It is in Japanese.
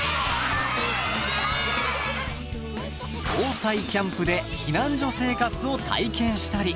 防災キャンプで避難所生活を体験したり。